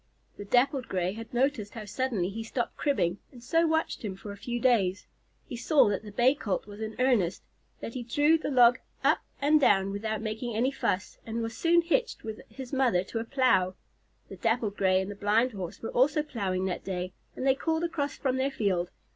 The Dappled Gray had noticed how suddenly he stopped cribbing, and so watched him for a few days. He saw that the Bay Colt was in earnest, that he drew the log up and down without making any fuss, and was soon hitched with his mother to a plow. The Dappled Gray and the Blind Horse were also plowing that day, and they called across from their field.